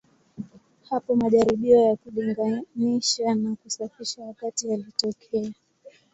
Hapo majaribio ya kulinganisha na kusafisha wakati yalitokea.